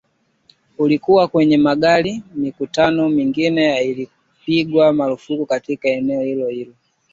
Ulikuwa kwenye magari na mikutano mingine haikupigwa marufuku katika eneo hilo-hilo.